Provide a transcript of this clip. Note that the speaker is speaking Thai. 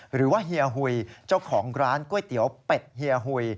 เฮียหุยเจ้าของร้านก๋วยเตี๋ยวเป็ดเฮียหุย